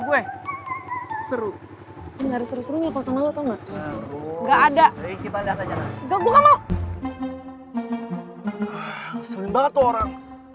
mendingan sekarang omong pesetir kita ke sekolah sekarang